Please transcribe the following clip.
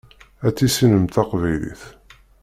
Ad tissinem taqbaylit.